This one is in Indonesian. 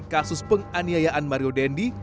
kasus penganiayaan mario dendi